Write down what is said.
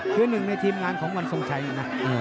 คือหนึ่งในทีมงานของวันสงสัยเนี่ยนะ